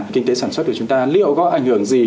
kinh tế sản xuất của chúng ta liệu có ảnh hưởng gì